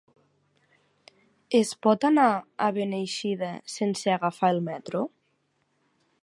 Es pot anar a Beneixida sense agafar el metro?